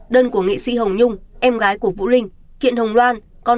đơn của nghệ sĩ hồng nhung em gái của vũ linh kiện hồng loan